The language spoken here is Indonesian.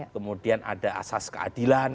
kemudian ada asas keadilan